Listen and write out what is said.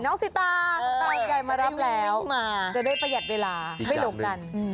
นอกสิตาตาของยายมารับแล้วจะได้ประหยัดเวลาไม่หลบกันอีกอย่างหนึ่ง